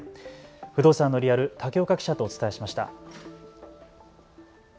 不動産のリアル竹岡記者とお伝えしました。